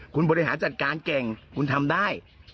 คุณบริหารจัดการเก่งคุณทำได้